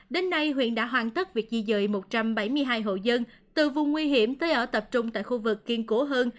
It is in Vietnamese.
đến nay huyện đã hoàn tất việc di dời một trăm bảy mươi hai hộ dân từ vùng nguy hiểm tới ở tập trung tại khu vực kiên cố hơn